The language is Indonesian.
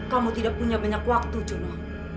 kamu tidak punya banyak waktu juno